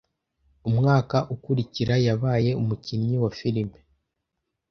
Umwaka ukurikira yabaye umukinnyi wa filime.